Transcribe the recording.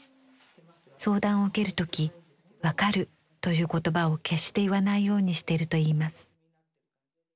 相談を受ける時「わかる」という言葉を決して言わないようにしてるといいます。